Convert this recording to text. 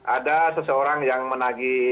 ada seseorang yang menagi